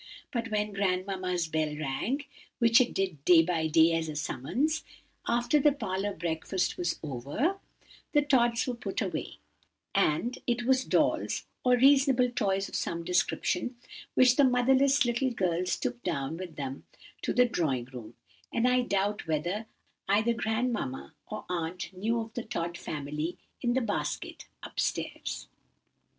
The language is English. But when grandmamma's bell rang, which it did day by day as a summons, after the parlour breakfast was over, the Tods were put away; and it was dolls, or reasonable toys of some description, which the motherless little girls took down with them to the drawing room; and I doubt whether either grandmamma or aunt knew of the Tod family in the basket up stairs.